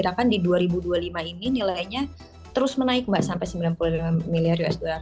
bahkan di dua ribu dua puluh lima ini nilainya terus menaik mbak sampai sembilan puluh lima miliar usd